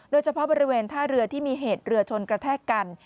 โดยเฉพาะบริเวณท่าเรือที่มีเหตุเรือชนกระแทกกัน